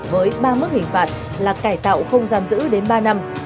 với ba mức hình phạt là cải tạo không giam giữ đến ba năm